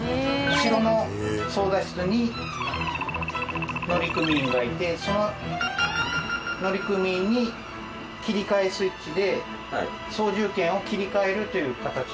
後ろの操舵室に乗組員がいてその乗組員に切り替えスイッチで操縦権を切り替えるという形をとってます。